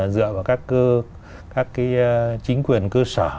dựa vào các các cái chính quyền cơ sở